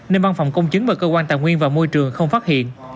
nên văn phòng công chứng và cơ quan tài nguyên và môi trường không phát hiện